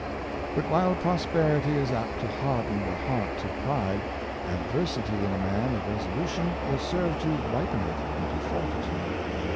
But while prosperity is apt to harden the heart to pride, adversity in a man of resolu tion will serve to ripen it into fortitude.